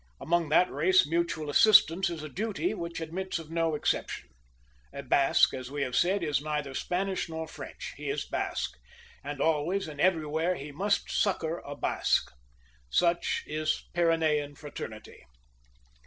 Among that race mutual assistance is a duty which admits of no exception. A Basque, as we have said, is neither Spanish nor French; he is Basque, and always and everywhere he must succour a Basque. Such is Pyrenean fraternity.